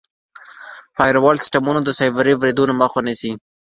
فایروال سیسټمونه د سایبري بریدونو مخه نیسي.